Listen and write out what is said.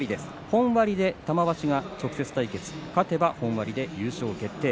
本割で玉鷲が直接対決勝てば本割で優勝決定